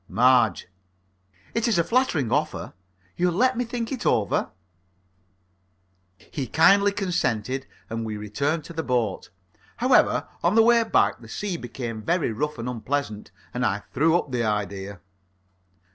MARGE: It is a flattering offer. You'll let me think over it? He kindly consented, and we returned to the boat. However, on the way back the sea became very rough and unpleasant; and I threw up the idea.